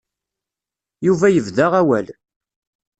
Yuba yebda awal.